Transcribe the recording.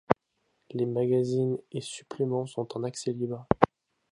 Les magazines et suppléments sont en accès libre.